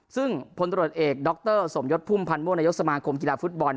ซึ่งพลตรวจเอกดรสมยศพุ่มพันธ์มั่วนายกสมาคมกีฬาฟุตบอล